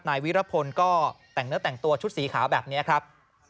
นายวิรพลก็แต่งเนื้อแต่งตัวชุดสีขาวแบบนี้ครับ